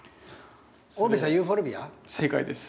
オベサユーフォルビア？正解です。